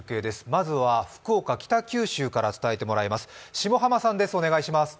まずは、福岡・北九州から伝えてもらいます。